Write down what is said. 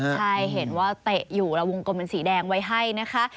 ใช่เห็นว่าเตะอยู่แล้ววงกลมเป็นสีแดงไว้ให้นะคะ